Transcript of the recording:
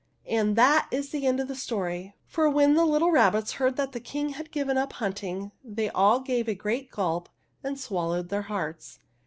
And that is the end of the story, for when the little rabbits heard that the King had given up hunting, they all gave a great gulp and swallowed their hearts.